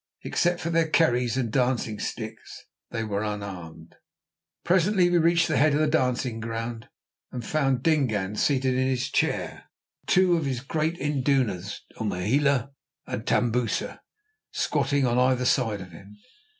Except for their kerries and dancing sticks they were unarmed. Presently we reached the head of the dancing ground, and found Dingaan seated in his chair with two of his great indunas, Umhlela and Tambusa, squatting on either side of him.